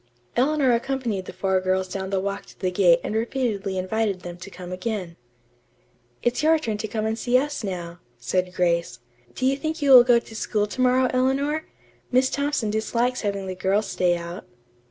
Eleanor accompanied the four girls down the walk to the gate and repeatedly invited them to come again. "It's your turn to come and see us now," said Grace. "Do you think you will go to school to morrow, Eleanor? Miss Thompson dislikes having the girls stay out."